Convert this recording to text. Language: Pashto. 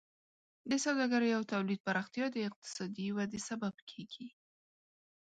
د سوداګرۍ او تولید پراختیا د اقتصادي وده سبب کیږي.